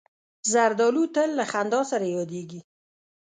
زردالو تل له خندا سره یادیږي.